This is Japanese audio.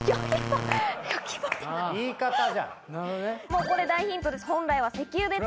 もうこれ大ヒントです。